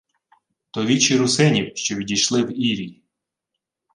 — То вічі русинів, що відійшли в ірій.